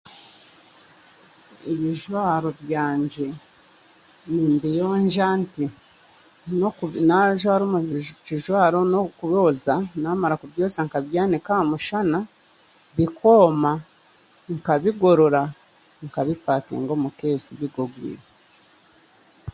Ebijwaaro byangye nimbiyoonja nti, najwaara omu kijwaaro n'okwooza namara kubyooza nk'abyanika aha mushana bikooma nkabigorora, nkabi pakinga omu keesi bigorwiire.